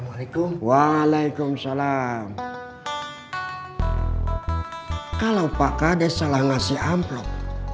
hai hai hai hai hai hai waalaikumsalam kalau pak kd salah ngasih amplop kalau pak kadeh salah ngasih amplop